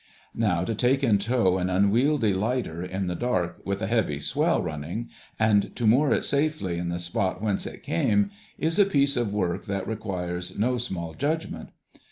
Now to take in tow an unwieldy lighter in the dark with a heavy swell running, and to moor it safely in the spot whence it came, is a piece of work that requires no small judgment.